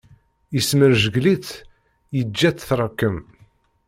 Yesmerjgel-itt, yeǧǧa-tt trekkem.